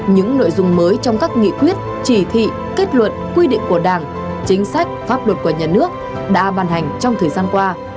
những nội dung mới trong các nghị quyết chỉ thị kết luận quy định của đảng chính sách pháp luật của nhà nước đã ban hành trong thời gian qua